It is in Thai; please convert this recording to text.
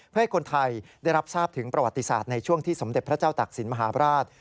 เพื่อให้คนไทยได้รับทราบถึงประวัติศาสตร์ในช่วงที่สมเด็จพระเจ้าตักศิลปราช